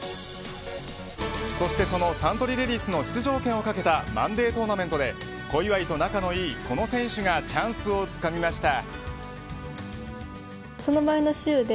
そしてそのサントリーレディスの出場権を懸けたマンデートーナメントで小祝と仲のいい、この選手がチャンスをつかみました。